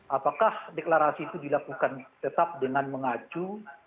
apakah deklarasi itu dilakukan tetap dengan mengacu